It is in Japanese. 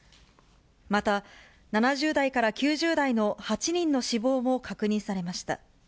また、７０代から９０代の８人の死亡も確認されました。